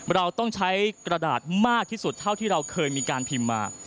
เราต้องใช้กระดาษมากที่สุดเท่าที่เราเคยมีการพิมพ์มา